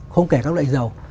không kể các loại xăng dầu